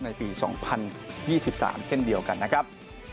ในปี๒๐๒๓เช่นเดียวกันนะครับ